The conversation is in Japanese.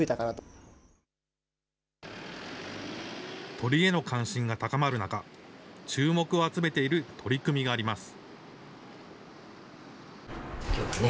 鳥への関心が高まる中、注目を集めている取り組みがあります。